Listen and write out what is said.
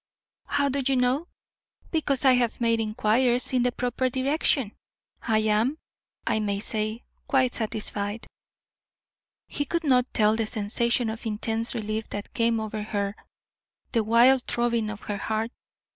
"How do you know?" "Because I have made inquiries in the proper direction. I am, I may say, quite satisfied." He could not tell the sensation of intense relief that came over her the wild throbbing of her heart.